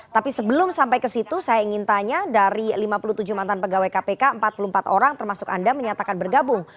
tapi sebelum sampai ke situ saya ingin tanya dari lima puluh tujuh mantan pegawai kpk empat puluh empat orang termasuk anda menyatakan bergabung